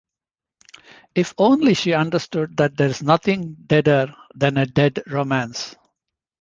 If only she understood that there's nothing deader than a dead romance.